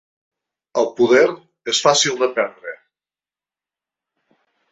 El poder és fàcil de perdre.